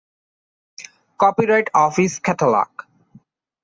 Copyright Office catalog.